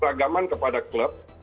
peragaman kepada klub